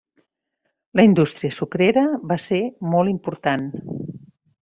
La indústria sucrera va ser molt important.